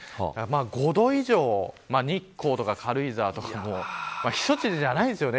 ５度以上、日光とか軽井沢とかも避暑地じゃないですよね